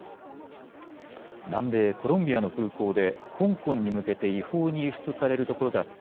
南米コロンビアの空港で香港に向けて違法に輸出されるところだった